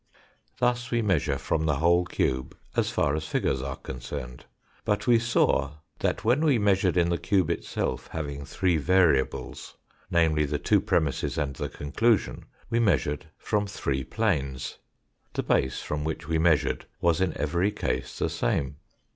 Thus we measure from the whole cube as far as figures are concerned. But we saw that when we measured in the cube itself having three variables, namely, the two premisses and the conclusion, we measured from three planes. The base from which we measured was in every case the same.